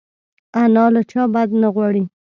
انا له چا بد نه غواړي